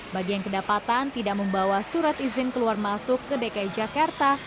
bagi yang kedapatan tidak membawa surat izin keluar masuk ke dki jakarta